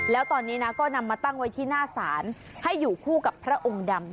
แล้วตอนนี้นะก็นำมาตั้งไว้ที่หน้าศาลให้อยู่คู่กับพระองค์ดำ